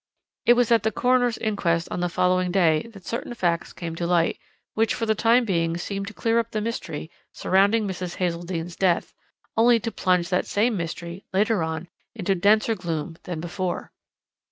It was at the coroner's inquest on the following day that certain facts came to light, which for the time being seemed to clear up the mystery surrounding Mrs. Hazeldene's death, only to plunge that same mystery, later on, into denser gloom than before.